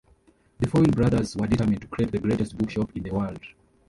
The Foyle brothers were determined to create the greatest bookshop in the world.